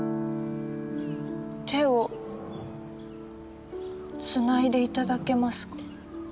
手をつないで頂けますか？